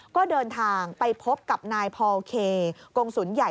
ก็เดินทางไปพบกับนายพอลเคกงศูนย์ใหญ่